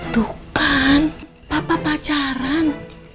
tuh kan papa pacaran